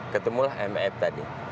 ketemulah mef tadi